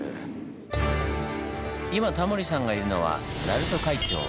今タモリさんがいるのは鳴門海峡。